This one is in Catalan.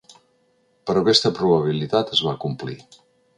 Però aquesta probabilitat es va complir.